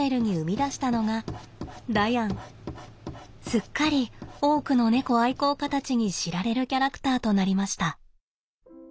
すっかり多くの猫愛好家たちに知られるキャラクターとなりました。